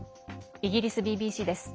イギリスＢＢＣです。